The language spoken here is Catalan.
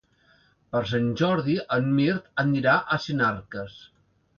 Per Sant Jordi en Mirt anirà a Sinarques.